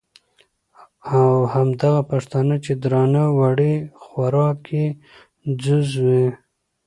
او همدغه پښتانه، چې درانده وړي خوراک یې ځوز وي،